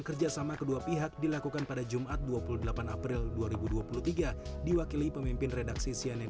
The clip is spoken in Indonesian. kerjasama kedua pihak dilakukan pada jumat dua puluh delapan april dua ribu dua puluh tiga diwakili pemimpin redaksi cnn